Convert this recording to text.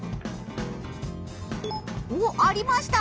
おっありました！